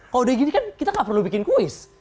kalau udah gini kan kita gak perlu bikin kuis